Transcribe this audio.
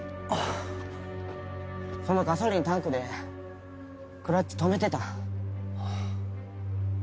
そのガソリンタンクでクラッチ止めてた。